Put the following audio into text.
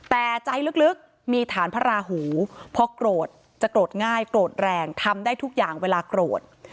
แต่ใจลึกมีฐานพระราหูพอโกรธจะโกรธง่ายโกรธแรงทำได้ทุกอย่างเวลาโกรธ